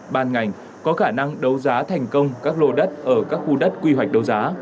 ban ngành có khả năng đấu giá thành công các lô đất ở các khu đất quy hoạch đấu giá